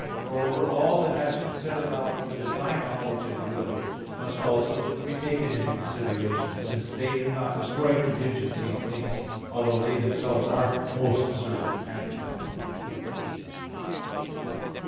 Moreover all that has been said about the divine knowledge and will (Q. 14, A. 13; Q. 19, A. 4) must also be taken into consideration; since they do not destroy contingency in things, although they themselves are most certain and infallible.